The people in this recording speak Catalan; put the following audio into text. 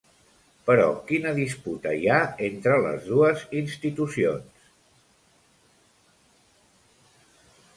Però, quina disputa hi ha entre les dues institucions?